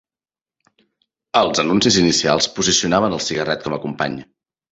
Els anuncis inicials posicionaven el cigarret com a company.